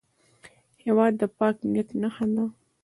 هېواد د پاک نیت نښه ده.